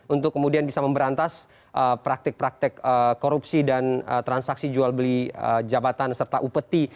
untuk kemudian bisa memberantas praktik praktek korupsi dan transaksi jual beli jabatan serta upeti